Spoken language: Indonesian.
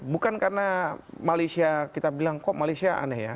bukan karena malaysia kita bilang kok malaysia aneh ya